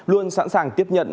luôn sẵn sàng tiếp nhận